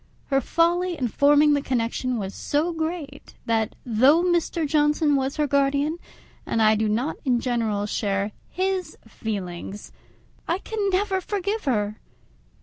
Her folly in forming the connection was so great that, though Mr. Johnson was her guardian, and I do not in general share his feelings, I never can forgive her.